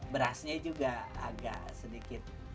berasnya juga agak sedikit